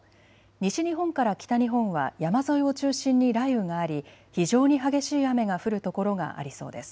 西日本から北日本は山沿いを中心に雷雨があり非常に激しい雨が降る所がありそうです。